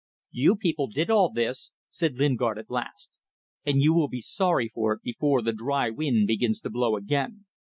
"You people did all this," said Lingard at last, "and you will be sorry for it before the dry wind begins to blow again.